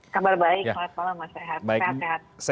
kabar baik selamat malam mas sehat sehat